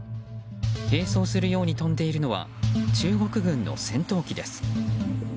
並走するように飛んでいるのは中国軍の戦闘機です。